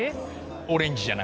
オレンジじゃなくて？